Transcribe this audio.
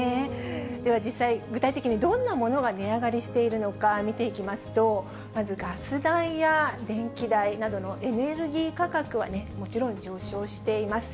では、実際、具体的にはどんなものが値上がりしているのか、見ていきますと、まずガス代や電気代などのエネルギー価格はね、もちろん上昇しています。